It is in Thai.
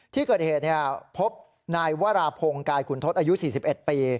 ที่เกิดเหตุพบนายวราพงศ์กายขุนทศอายุ๔๑ปี